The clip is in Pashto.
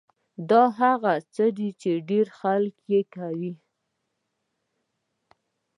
دا هغه څه دي چې ډېر خلک يې کوي.